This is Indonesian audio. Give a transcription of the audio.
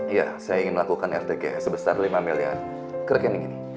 iya saya ingin melakukan rtg sebesar lima miliar ke rekening ini